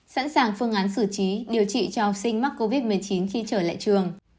sẵn sàng phương án xử trí điều trị cho học sinh mắc covid một mươi chín khi trở lại trường